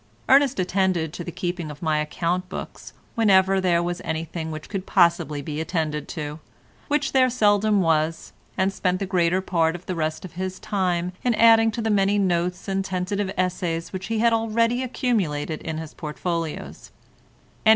Ernest attended to the keeping of my account books whenever there was anything which could possibly be attended to, which there seldom was, and spent the greater part of the rest of his time in adding to the many notes and tentative essays which had already accumulated in his portfolios.